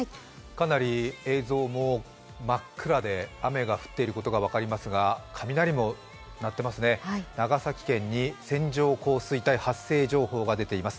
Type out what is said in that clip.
かなり映像も真っ暗で雨が降っていることが分かりますが、雷も鳴っていますね、長崎県に線状降水帯発生情報が出ています。